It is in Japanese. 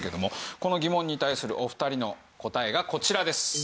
この疑問に対するお二人の答えがこちらです。